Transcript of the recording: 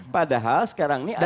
padahal sekarang ini ada